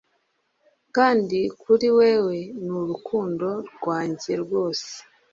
Kandi kuri wewe ni urukundo rwanjye rwose